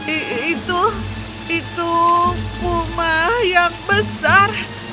itu itu itu puma yang besar